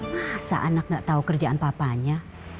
masa anak gak tahu kerjaan papanya